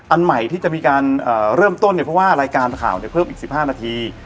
อันใหม่ที่จะมีการเอ่อเริ่มต้นเนี้ยเพราะว่ารายการข่าวเนี้ยเพิ่มอีกสิบห้านาที